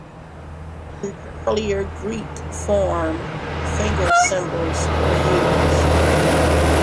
In the earlier Greek form, finger cymbals were used.